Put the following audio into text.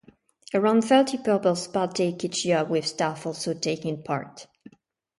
Around thirty pupils partake each year with staff also taking part.